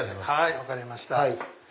分かりました。